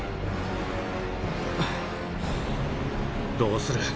どうする？